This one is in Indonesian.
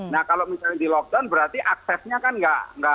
nah kalau misalnya di lockdown berarti aksesnya kan nggak